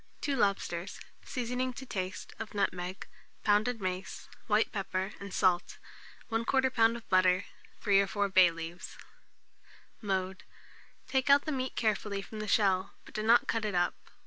2 lobsters; seasoning to taste, of nutmeg, pounded mace, white pepper, and salt; 1/4 lb. of butter, 3 or 4 bay leaves. Mode. Take out the meat carefully from the shell, but do not cut it up.